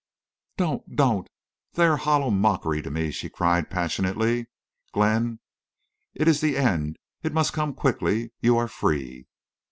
"Don't! don't!... they are hollow mockery for me," she cried, passionately. "Glenn, it is the end. It must come—quickly.... You are free."